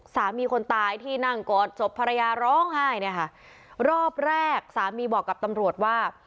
คนตายที่นั่งกอดศพภรรยาร้องไห้เนี่ยค่ะรอบแรกสามีบอกกับตำรวจว่า